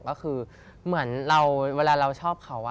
ก็คือเหมือนเราเวลาเราชอบเขา